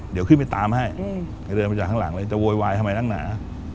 เดี๋ยวขึ้นไปตามให้ไปเดินมาจากข้างหลังเลยจะโวยวายทำไมนักหนา